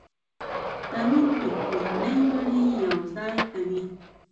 تنور د کورنۍ غړي یو ځای کوي